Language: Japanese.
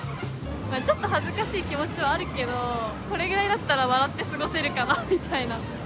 ちょっと恥ずかしい気持ちはあるけどこれぐらいだったら笑って過ごせるかなみたいな。